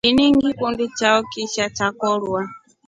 Ini ngikundi chao kishaa chakorwa.